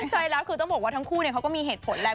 ใช่แล้วคือต้องบอกว่าทั้งคู่เขาก็มีเหตุผลแหละ